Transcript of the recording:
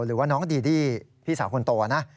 หรือว่าน้องดีดี้พี่สาวคนโตนะ